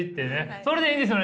それでいいんですよね？